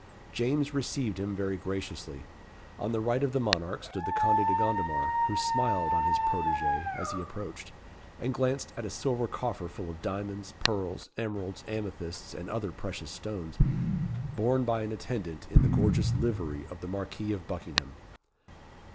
James received him very graciously. On the right of the monarch stood the Conde de Gondomar, who smiled on his protégé as he approached, and glanced at a silver coffer full of diamonds, pearls, emeralds, amethysts, and other precious stones, borne by an attendant in the gorgeous livery of the Marquis of Buckingham.